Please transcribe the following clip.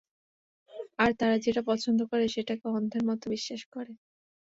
আর তারা যেটা পছন্দ করে সেটাকে অন্ধের মতো বিশ্বাস করে।